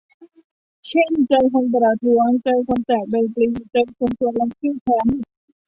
เช่น เจอคนประท้วง เจอคนแจกใบปลิว เจอคนชวนลงชื่อแคมเปญ